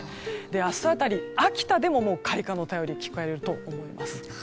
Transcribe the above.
明日辺り、秋田でも開花の便り聞こえると思います。